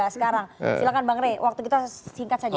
silakan bang rey waktu kita singkat saja